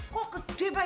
kok kedih pak